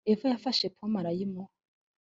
Eva yafashe pome arayimuha